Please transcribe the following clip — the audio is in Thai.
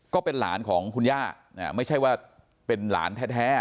ก็เป็นหลานของคุณย่าไม่ใช่ว่าเป็นหลานแท้